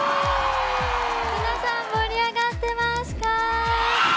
皆さん盛り上がってますか！